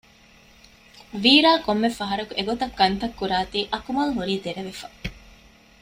ވީރާ ކޮންމެ ފަހަރަކު އެގޮތަށް ކަންތައް ކުރާތީ އަކުމަލް ހުރީ ދެރަވެފަ